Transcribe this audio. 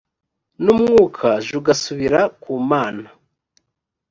n umwukajugasubira ku mana